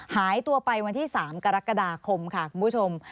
หายตัวไปวันที่๓กรกฎาคมค่ะคุณผู้ชม